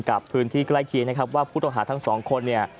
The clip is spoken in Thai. กับพื้นที่ใกล้เคียงนะครับว่าผู้ต้องหาทั้งสองคนเนี่ย